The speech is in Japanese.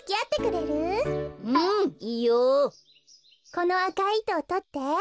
このあかいいとをとって。